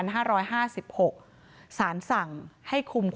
นายพิรายุนั่งอยู่ติดกันแบบนี้นะคะ